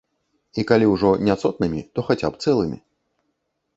І калі ўжо няцотнымі, то хаця б цэлымі.